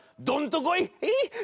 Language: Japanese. どんとこい！」。